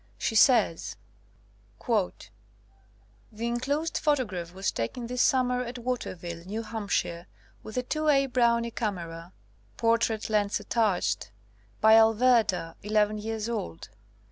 She says : The enclosed photograph was taken this summer at Waterville, New Hampshire, with a 2a Brownie camera (portrait lens at tached) by Alverda, eleven years old.